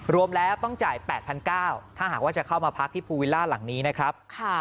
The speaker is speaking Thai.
รวมแล้วต้องจ่าย๘๙๐๐ถ้าหากว่าจะเข้ามาพักที่ภูวิลล่าหลังนี้นะครับ